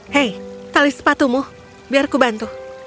hei tali sepatumu biar ku bantu